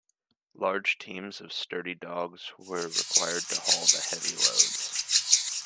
Large teams of sturdy dogs were required to haul the heavy loads.